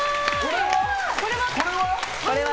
これは？